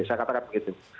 saya katakan begitu